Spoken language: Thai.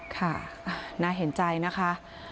ค่ะน่าเห็นใจนะคะ